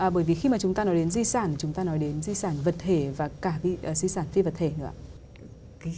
bởi vì khi mà chúng ta nói đến di sản chúng ta nói đến di sản vật thể và cả di sản phi vật thể nữa ạ